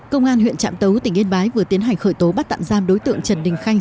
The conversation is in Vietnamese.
công an huyện trạm tấu tỉnh yên bái vừa tiến hành khởi tố bắt tạm giam đối tượng trần đình khanh